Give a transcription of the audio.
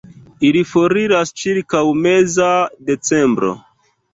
Ili foriras ĉirkaŭ meza decembro.